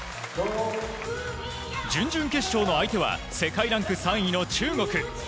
準々決勝の相手は世界ランク３位の中国。